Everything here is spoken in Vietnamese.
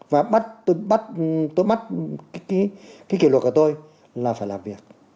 và tôi mất cái kỷ luật của tôi là phải làm việc